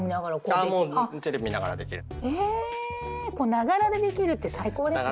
ながらでできるって最高ですね！